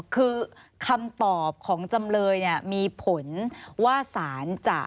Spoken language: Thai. คือคำตอบของจำเลยเนี่ยมีผลว่าสารจะ